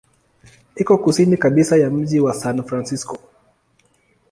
Iko kusini kabisa ya mji wa San Francisco.